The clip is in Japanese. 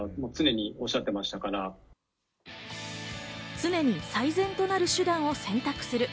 常に最善となる手段を選択する。